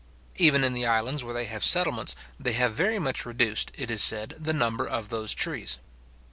Even in the islands where they have settlements, they have very much reduced, it is said, the number of those trees.